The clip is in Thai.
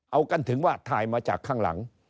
เอากันถึงว่าถ่ายมาจากข้างหลัง